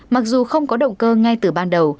mặc dù không có động cơ ngay từ ban đầu